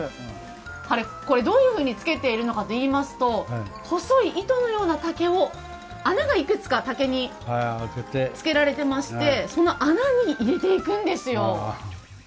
これどういうふうに付けているのかといいますと、糸のような竹を、穴がいくつか竹に作られていまして穴に入れていくんですよ。